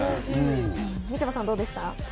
みちょぱさん、どうでした？